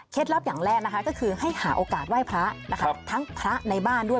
เคล็ดลับอย่างแรกก็คือให้หาโอกาสไหว้พระทั้งพระในบ้านด้วย